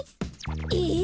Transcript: えっ？